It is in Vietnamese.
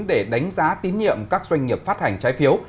để đánh giá tín nhiệm các doanh nghiệp phát hành trái phiếu